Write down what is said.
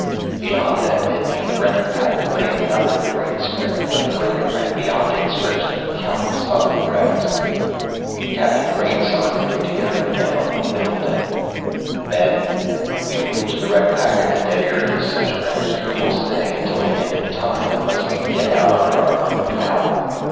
Beyond them in the wreck pack lay another Uranus craft, a freighter, and, beyond it, stretched the countless other wrecks. Captain Crain summoned the crew together again on the middle deck. "Men, we've reached the wreck pack at the dead area's center, and here we'll stay until the end of time unless we get out under our own power.